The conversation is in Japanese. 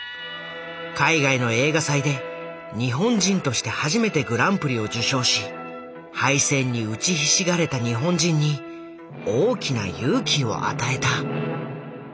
海外の映画祭で日本人として初めてグランプリを受賞し敗戦に打ちひしがれた日本人に大きな勇気を与えた。